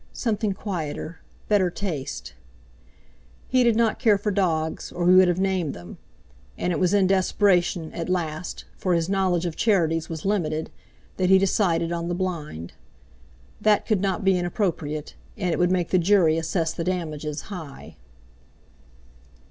Something quieter—better taste." He did not care for dogs, or he would have named them; and it was in desperation at last—for his knowledge of charities was limited—that he decided on the blind. That could not be inappropriate, and it would make the Jury assess the damages high.